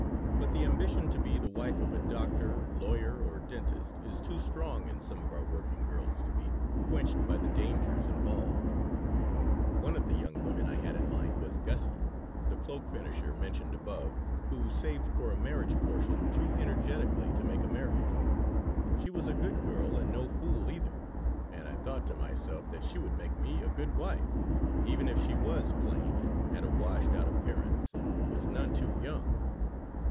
But the ambition to be the wife of a doctor, lawyer, or dentist is too strong in some of our working girls to be quenched by the dangers involved One of the young women I had in mind was Gussie, the cloak finisher mentioned above, who saved for a marriage portion too energetically to make a marriage. She was a good girl, and no fool, either, and I thought to myself that she would make me a good wife, even if she was plain and had a washed out appearance and was none too young.